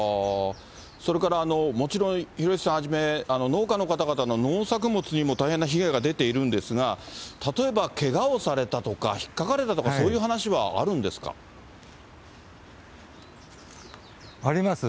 それからもちろん、広石さんはじめ農家の方々の農作物にも大変な被害が出ているんですが、例えばけがをされたとか、引っかかれたとか、あります。